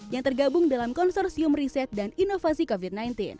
yang tergabung dalam konsorsium riset dan inovasi covid sembilan belas